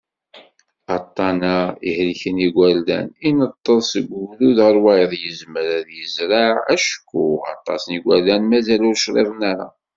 Aṭṭan-a, ihelken yigerdan, ineṭṭeḍ seg ugrud ɣer wayeḍ, yezmer ad yezreɛ, acku aṭas n yigerdan mazal ur criḍen ara.